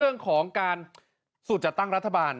เรื่องของการสูตรจัดตั้งรัฐบาล